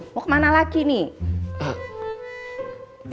mau kemana lagi nih